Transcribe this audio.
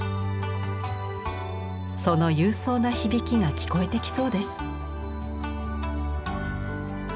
その勇壮な響きが聞こえてきそうです。